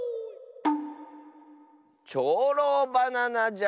「ちょうろうバナナ」じゃ！